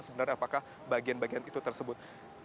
sebenarnya apakah bagian bagian itu tersebut